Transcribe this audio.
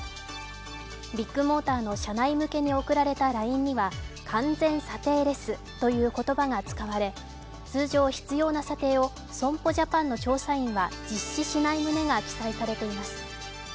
ビッグモーターの社内向けに送られたＬＩＮＥには完全査定レスという言葉が使われ、通常必要な査定を損保ジャパンの捜査員は実施しない旨が記載されています。